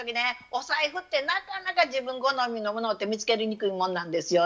お財布ってなかなか自分好みのものって見つけにくいもんなんですよね。